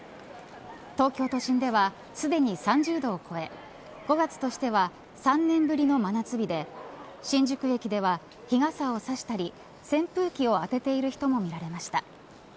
東京都心では、すでに３０度を超え５月としては３年ぶりの真夏日で新宿駅では日傘を差したり扇風機をあてている人も見られました。